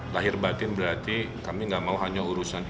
lahir batin berarti kami tidak mau hanya urusan ini